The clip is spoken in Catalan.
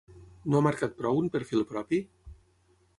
No ha marcat prou un perfil propi?